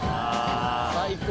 最高。